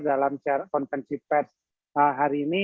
dalam share konvensi ped hari ini